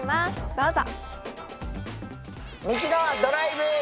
どうぞ。